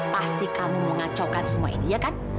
pasti kamu mau ngacaukan semua ini ya kan